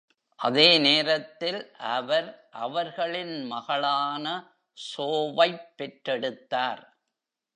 அதே நேரத்தில், அவர் அவர்களின் மகளான ஸோவைப் பெற்றெடுத்தார்.